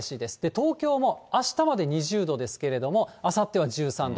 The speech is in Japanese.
東京もあしたまで２０度ですけれども、あさっては１３度。